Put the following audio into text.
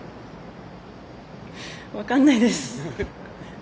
分かんないです。